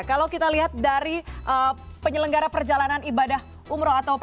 kalau kita lihat dari penyelenggara perjalanan ibadah umroh